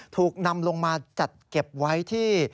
ถูกนำลงมาจัดเก็บไว้ที่